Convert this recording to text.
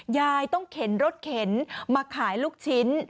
ยายต้องเข็นรถเข็นมาขายลูกชิ้น